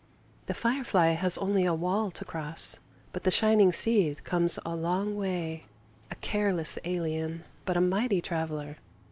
The firefly has only a wall to cross, but the shining seed comes a long way, a careless alien but a mighty traveller.